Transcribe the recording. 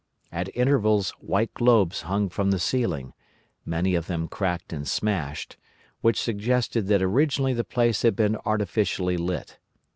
At intervals white globes hung from the ceiling—many of them cracked and smashed—which suggested that originally the place had been artificially lit.